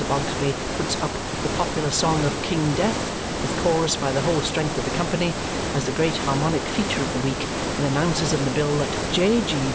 Bogsby puts up "The popular song of King Death, with chorus by the whole strength of the company," as the great Harmonic feature of the week and announces in the bill that "J.